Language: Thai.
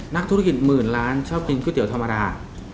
นักธุรกิจหมื่นล้านชอบกินก๋วยเตี๋ยวธรรมดา